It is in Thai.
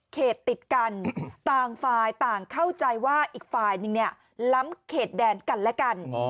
ติดกันต่างฝ่ายต่างเข้าใจว่าอีกฝ่ายนึงเนี่ยล้ำเขตแดนกันและกัน